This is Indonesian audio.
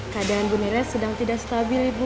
keadaan ibu nella sedang tidak stabil ibu